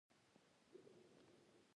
ځانله زړۀ کښې وايم